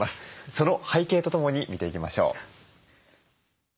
その背景とともに見ていきましょう。